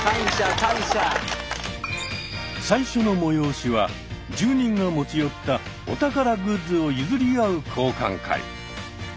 最初の催しは住人が持ち寄ったお宝グッズを譲り合う交換会。